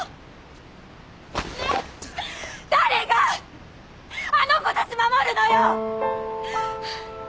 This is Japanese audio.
誰があの子たち守るのよ！？